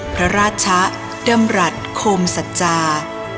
พระราชะดำรัฐโคมสัจจา